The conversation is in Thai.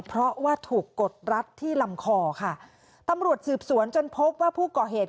เพราะว่าถูกกดรัดที่ลำคอค่ะตำรวจสืบสวนจนพบว่าผู้ก่อเหตุ